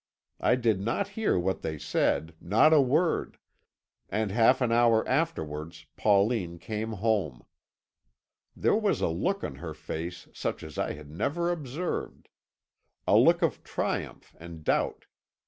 I did not hear what they said, not a word, and half an hour afterwards Pauline came home. There was a look on her face such as I had never observed a look of triumph and doubt.